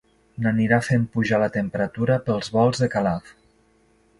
N'anirà fent pujar la temperatura pels volts de Calaf.